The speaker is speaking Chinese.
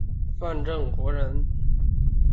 范正国人。